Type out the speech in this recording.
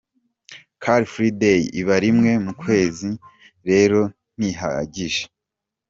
Car Free Day iba rimwe mu kwezi rero ntihagije”.